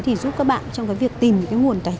thì giúp các bạn trong cái việc tìm những nguồn thông tin